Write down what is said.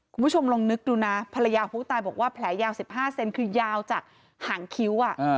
คุณผู้ชมลองนึกดูนะภรรยาผู้ตายบอกว่าแผลยาว๑๕เซนคือยาวจากหางคิ้ว